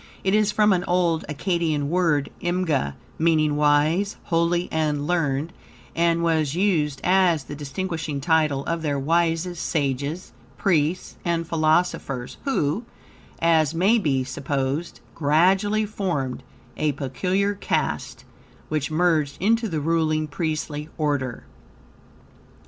It is from an old Akkadian word, "imga," meaning wise, holy, and learned, and was used as the distinguishing title of their wisest sages, priests, and philosophers, who, as may be supposed, gradually formed a peculiar caste, which merged into the ruling priestly order.